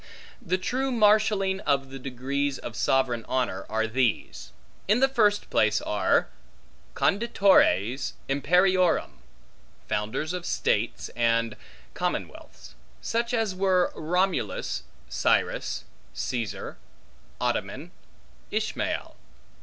The true marshalling of the degrees of sovereign honor, are these: In the first place are conditores imperiorum, founders of states and commonwealths; such as were Romulus, Cyrus, Caesar, Ottoman, Ismael.